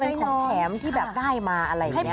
เป็นของแถมที่แบบได้มาอะไรอย่างนี้